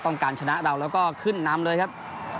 ต้องการชนะเราแล้วก็ขึ้นนำเลยครับ